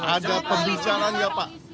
ada pembicaraan ya pak